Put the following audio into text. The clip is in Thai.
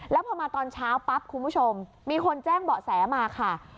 แล้วพอมาตอนเช้าปั๊บคุณผู้ชมมีคนแจ้งเบาะแสมาค่ะ